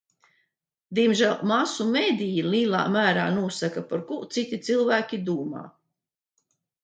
Diemžēl masu mediji lielā mērā nosaka, par ko citi cilvēki domā.